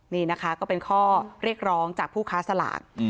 นี่นะคะก็เป็นข้อเรียกร้องจากผู้ค้าสลาก